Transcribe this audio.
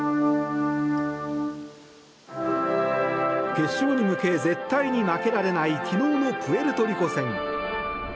決勝に向け絶対に負けられない昨日のプエルトリコ戦。